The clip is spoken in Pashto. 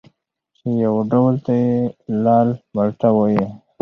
چې یو ډول ته یې لال مالټه وايي